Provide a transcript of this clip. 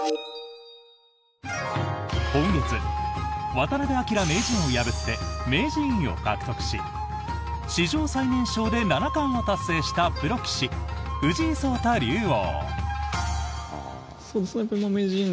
今月、渡辺明名人を破って名人位を獲得し史上最年少で七冠を達成したプロ棋士、藤井聡太竜王。